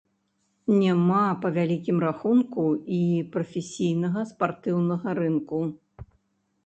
Няма, па вялікім рахунку, і прафесійнага спартыўнага рынку.